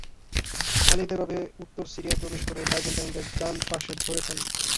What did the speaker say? খালিদ এভাবে উত্তর সিরিয়ায় প্রবেশ করে বাইজেন্টাইনদের ডান পাশে ধরে ফেলেন।